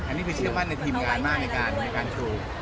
อันนี้คือเชื่อมั่นในทีมงานมากในการชู